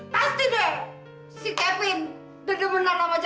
pasti deh si kevin dede bener sama carina